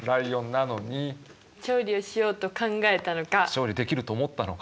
調理できると思ったのか？